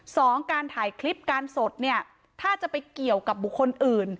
การถ่ายคลิปการสดเนี่ยถ้าจะไปเกี่ยวกับบุคคลอื่น